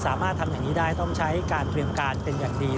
สามารถทำอย่างนี้ได้ต้องใช้การเตรียมการเป็นอย่างดี